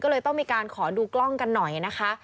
ก็เลยต้องมีการขอดูกล้องกันหน่อยนะคะ